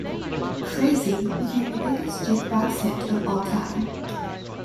"Crazy" became the biggest jukebox hit of all time.